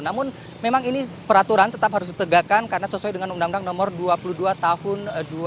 namun memang ini peraturan tetap harus ditegakkan karena sesuai dengan undang undang nomor dua puluh dua tahun dua ribu dua